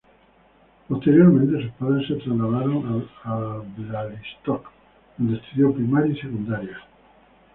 Posteriormente sus padres se trasladaron a Białystok, donde estudió primaria y secundaria.